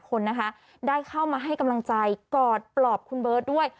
คนนะคะได้เข้ามาให้กำลังใจกอดปลอบคุณเบิร์ตด้วย